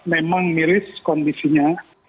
memang miris kondisinya